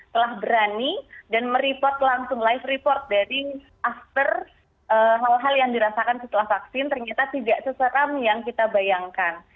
telah berani dan mereport langsung live report dari after hal hal yang dirasakan setelah vaksin ternyata tidak seseram yang kita bayangkan